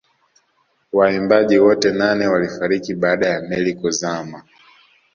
Waimbaji wote nane walifariki baada ya meli kuzama